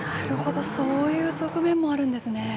なるほど、そういう側面もあるんですね。